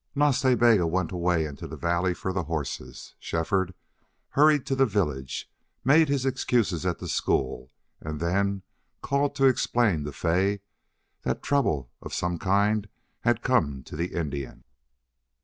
Nas Ta Bega went away into the valley for the horses. Shefford hurried to the village, made his excuses at the school, and then called to explain to Fay that trouble of some kind had come to the Indian.